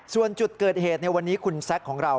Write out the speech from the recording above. ส่วนจุดเกิดเหตุในวันนี้คุณแซคของเรา